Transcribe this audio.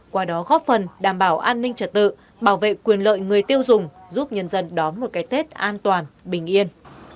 qua đó góp phần đảm bảo an ninh trật tự bảo vệ quyền lợi người tiêu dùng giúp nhân dân đón một cái tết an toàn bình yên